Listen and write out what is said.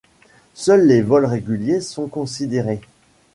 Seuls les vols réguliers sont considérés.